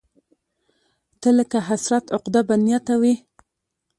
ته لکه حسرت، عقده، بدنيته وې